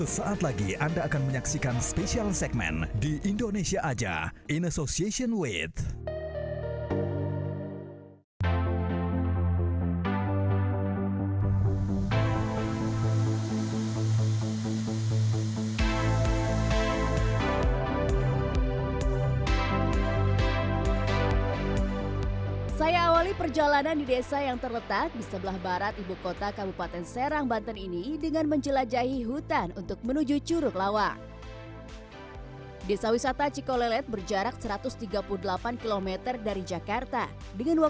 sampai jumpa di video selanjutnya